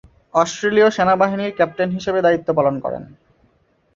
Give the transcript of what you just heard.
অস্ট্রেলীয় সেনাবাহিনীর ক্যাপ্টেন হিসেবে দায়িত্ব পালন করেন।